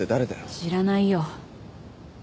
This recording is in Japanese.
知らないよ。